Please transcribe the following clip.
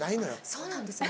そうなんですね。